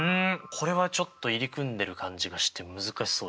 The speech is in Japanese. これはちょっと入り組んでる感じがして難しそうですね。